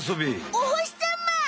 おほしさま！